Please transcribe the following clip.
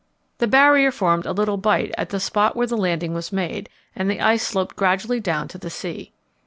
The Barrier formed a little bight at the spot where the landing was made, and the ice sloped gradually down to the sea.